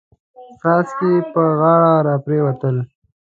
څاڅکي يې پر غاړه را پريوتل.